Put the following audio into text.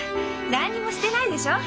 何にもしてないでしょう？